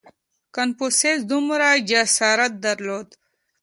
• کنفوسیوس دومره جسارت درلود.